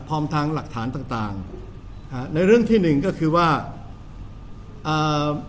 พร้อมทางหลักฐานต่างต่างอ่าในเรื่องที่หนึ่งก็คือว่าอ่า